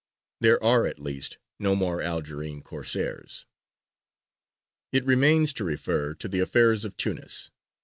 There are at least no more Algerine Corsairs. It remains to refer to the affairs of Tunis.